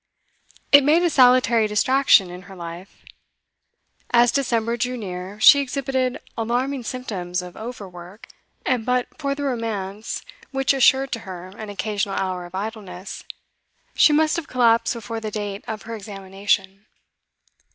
It made a salutary distraction in her life. As December drew near, she exhibited alarming symptoms of over work, and but for the romance which assured to her an occasional hour of idleness, she must have collapsed before the date of her examination.